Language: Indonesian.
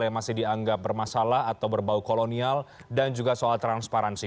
yang masih dianggap bermasalah atau berbau kolonial dan juga soal transparansi